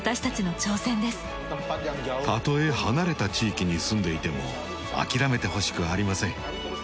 たとえ離れた地域に住んでいても諦めてほしくありません。